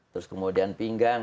terus kemudian pinggang